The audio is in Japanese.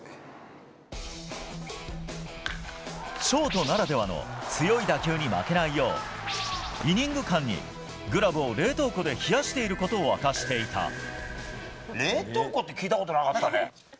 ショートならではの強い打球に負けないようイニング間にグラブを冷凍庫で冷やしていることを明かしていた。